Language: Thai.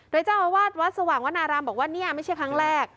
โดยเจ้าอาวาสวัดสว่างวนารามบอกว่านี่ไม่ใช่ครั้งแรก